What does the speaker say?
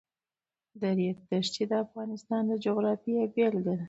د ریګ دښتې د افغانستان د جغرافیې بېلګه ده.